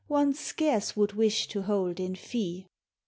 Due scarce would wish to hold in fee.